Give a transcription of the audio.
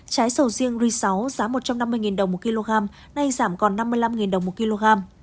trái sầu riêng ri sáu giá một trăm năm mươi đồng một kg nay giảm còn năm mươi năm đồng một kg